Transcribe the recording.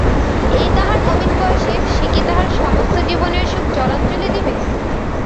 এই তাহার নবীন বয়সে সেকি তাহার সমস্ত জীবনের সুখ জলাঞ্জলি দিবে?